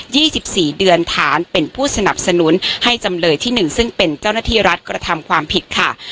ี่สิบสี่เดือนฐานเป็นผู้สนับสนุนให้จำเลยที่หนึ่งซึ่งเป็นเจ้าหน้าที่รัฐกระทำความผิดค่ะ